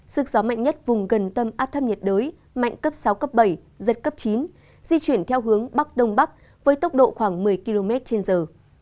sức gió mạnh nhất vùng gần tâm áp thấp nhiệt đới mạnh cấp sáu cấp bảy giật cấp chín di chuyển theo hướng bắc đông bắc với tốc độ khoảng một mươi km trên giờ